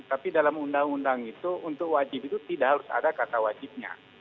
tapi dalam undang undang itu untuk wajib itu tidak harus ada kata wajibnya